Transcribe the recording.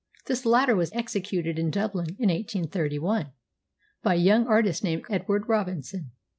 This latter was executed in Dublin in 1831, by a young artist named Edward Robinson.